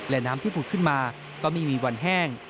และน้ำที่ผุดขึ้นมาก็ไม่มีวันแห้ง